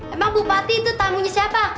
emang bupati itu tamunya siapa